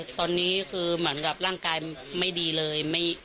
ตอนนี้คือเหมือนกับร่างกายไม่ดีเลย